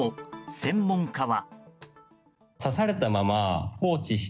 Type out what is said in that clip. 専門家は。